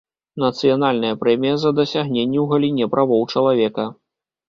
Нацыянальная прэмія за дасягненні ў галіне правоў чалавека.